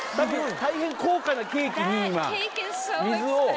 大変高価なケーキに、水を。